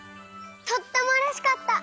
とってもうれしかった。